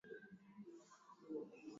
Mwanamke huyo ni mpole sana